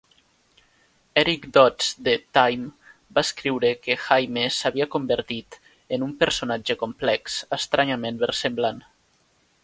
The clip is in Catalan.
Eric Dodds de "Time" va escriure que Jaime s'havia convertit en "un personatge complex, estranyament versemblant".